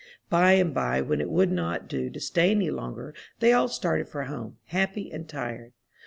By and by, when it would not do to stay any longer, they all started for home, happy and tired.